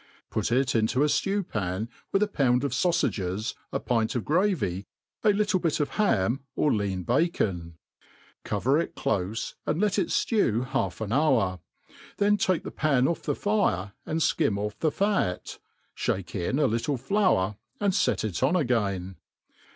Put it into a ftew* pan, with a pound of faufagesi a pint of gravy, a little bit of ham or lean bacon r cover it clofe, and let it ftew half an hour^ then take the pan ofF the fire, and fkim ofF the fat, (hake in a little floiir, ahd fet it on again.